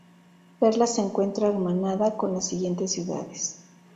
Parla se encuentra hermanada con las siguientes ciudades.